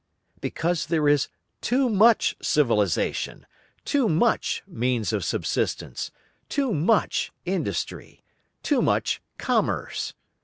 Because there is too much civilisation, too much means of subsistence, too much industry, too much commerce.